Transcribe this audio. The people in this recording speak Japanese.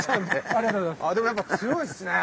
ああでもやっぱ強いっすね！